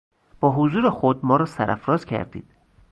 با حضور خود ما را سرافراز کردید.